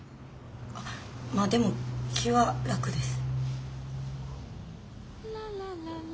まあでも気は楽です。